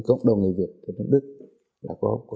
một nền kinh tế lớn